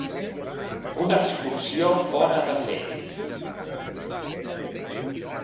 Una excursió bona de fer.